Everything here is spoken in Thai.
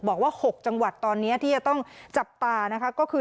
บอกว่า๖จังหวัดตอนนี้ที่จะต้องจับตานะคะก็คือ